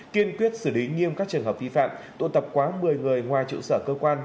kiên quyết xử lý nghiêm các trường hợp vi phạm tụ tập quá một mươi người ngoài trụ sở cơ quan